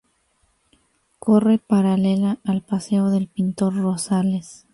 Corre paralela al paseo del Pintor Rosales.